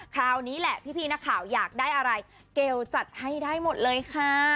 คราวนี้แหละพี่นักข่าวอยากได้อะไรเกลจัดให้ได้หมดเลยค่ะ